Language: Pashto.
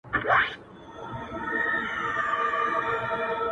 لکه زما درد او ستا خندا چي څوک په زړه وچيچي”